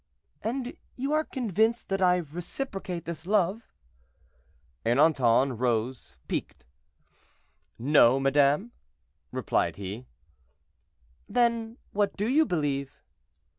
"And you are convinced that I reciprocate this love?" Ernanton rose piqued. "No, madame," replied he. "Then what do you believe?"